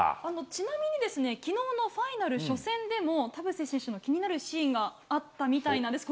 ちなみにですね、きのうのファイナル初戦でも、田臥選手の気になるシーンがあったみたいなんです。